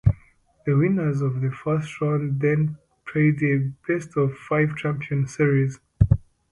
The winners of the first round then played a best-of-five championship series.